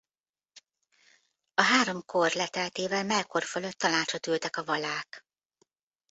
A három kor leteltével Melkor fölött tanácsot ültek a valák.